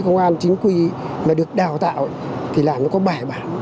công an chính quy mà được đào tạo thì làm nó có bài bản